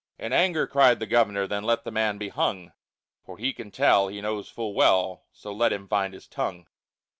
In anger cried the governor: Then let the man be hung, For he can tell, he knows full well, So let him find his tongue.